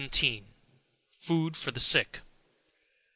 FOOD FOR THE SICK.